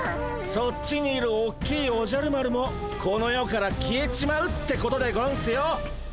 そっちにいるおっきいおじゃる丸もこの世から消えちまうってことでゴンスよ。